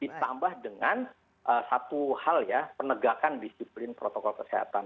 ditambah dengan satu hal ya penegakan disiplin protokol kesehatan